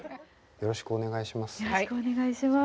よろしくお願いします。